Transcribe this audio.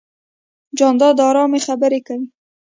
جانداد د ارام خبرې کوي.